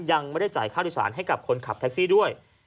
ยังไม่ได้จ่ายค่าโดยสารให้กับคนขับแท็กซี่ด้วย